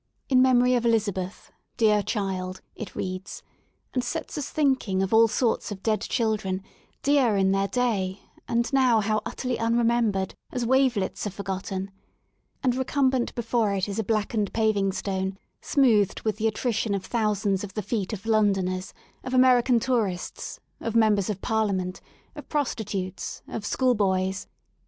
'* In memory of Elizabeth, Dear Child/* it reads, and sets us thinking of all sorts of dead children, dear in their day, and now how utterly un remembered, as wavelets are forgotten 1 And recumbent before it is a blackened paving stone, smoothed with the attrition of thousands of the feet of Londoners, of American tourists, of Members of Parliament, of prostitutes, of school boys.